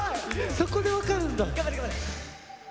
そこで分かるんだ。